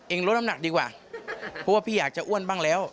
ลดน้ำหนักดีกว่าเพราะว่าพี่อยากจะอ้วนบ้างแล้ว